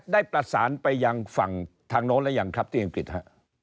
ได้ประสานไปยังฝั่งทางโน้นหรือยังครับที่อังกฤษฮะ